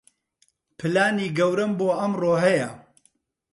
پلانی گەورەم بۆ ئەمڕۆ هەیە.